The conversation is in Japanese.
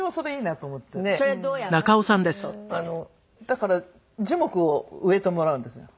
だから樹木を植えてもらうんですよ。